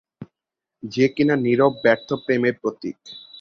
যে কিনা নিরব ব্যর্থ প্রেমের প্রতীক!